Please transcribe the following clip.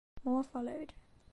More followed.